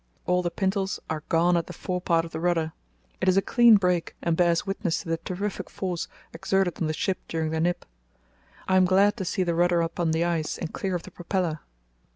All the pintles are gone at the fore part of the rudder; it is a clean break and bears witness to the terrific force exerted on the ship during the nip. I am glad to see the rudder upon the ice and clear of the propeller.